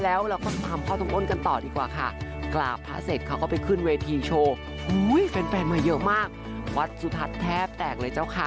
และหลังจากที่เขาเสร็จเที่ยวพลักษณ์ทุกอย่าง